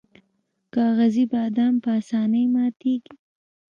کاغذي بادام په اسانۍ ماتیږي.